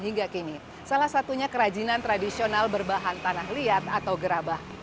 hingga kini salah satunya kerajinan tradisional berbahan tanah liat atau gerabah